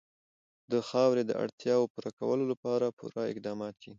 د خاورې د اړتیاوو پوره کولو لپاره پوره اقدامات کېږي.